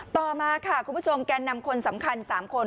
ต่อมาค่ะคุณผู้ชมแกนนำคนสำคัญ๓คน